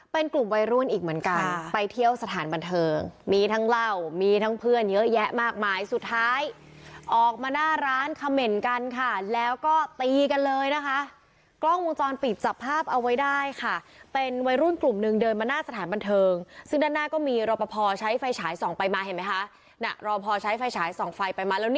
เป็นกลุ่มวัยรุ่นอีกเหมือนกันไปเที่ยวสถานบันเทิงมีทั้งเหล้ามีทั้งเพื่อนเยอะแยะมากมายสุดท้ายออกมาหน้าร้านเขม่นกันค่ะแล้วก็ตีกันเลยนะคะกล้องวงจรปิดจับภาพเอาไว้ได้ค่ะเป็นวัยรุ่นกลุ่มหนึ่งเดินมาหน้าสถานบันเทิงซึ่งด้านหน้าก็มีรอปภใช้ไฟฉายส่องไปมาเห็นไหมคะน่ะรอพอใช้ไฟฉายส่องไฟไปมาแล้ว